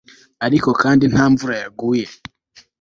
Ariko kandi nta mvura yaguye